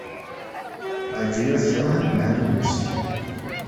Ɛelǧiya tekṛeh anemhal-ines.